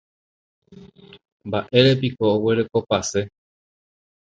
Mba'érepiko oguerekopase.